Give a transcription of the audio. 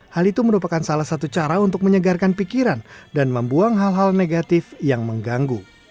hal itu merupakan salah satu cara untuk menyegarkan pikiran dan membuang hal hal negatif yang mengganggu